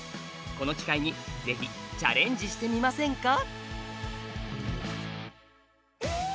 この機会にぜひチャレンジしてみませんか？